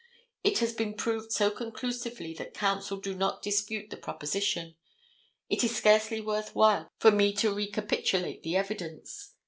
It has been proved so conclusively that counsel do not dispute the proposition. It is scarcely worth while for me to recapitulate the evidence.